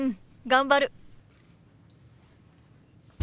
頑張る。